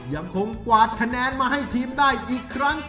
ยังคงกวาดคะแนนมาให้ทีมได้อีกครั้ง